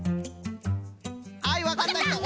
はいわかったひと。